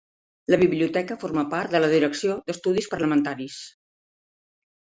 La Biblioteca forma part de la Direcció d'Estudis Parlamentaris.